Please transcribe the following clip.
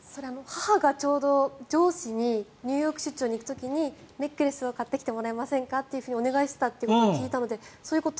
母がちょうど上司にニューヨーク出張に行く時にネックレスを買ってきてもらえませんか？とお願いしたと聞いたのでそう。